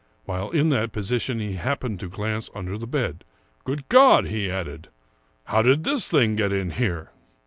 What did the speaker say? While in that position he no Ambrose Bierce happened to glance under the bed. " Good God !" he added ;" how did this thing get in here